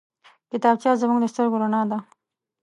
کتابچه زموږ د سترګو رڼا ده